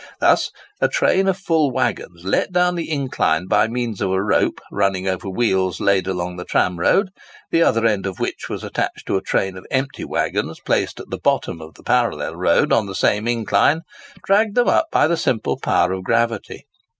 Thus, a train of full waggons let down the incline by means of a rope running over wheels laid along the tramroad, the other end of which was attached to a train of empty waggons placed at the bottom of the parallel road on the same incline, dragged them up by the simple power of gravity.